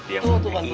itu itu pak haji